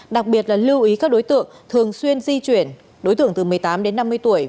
đặc biệt là lưu ý các đối tượng thường xuyên di chuyển đối tượng từ một mươi tám đến năm mươi tuổi